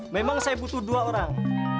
memang saya butuh dua orang